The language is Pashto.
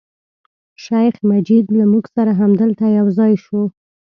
شیخ مجید له موږ سره همدلته یو ځای شو.